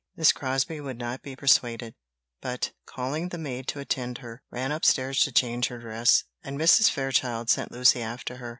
Miss Crosbie would not be persuaded, but, calling the maid to attend her, ran upstairs to change her dress: and Mrs. Fairchild sent Lucy after her.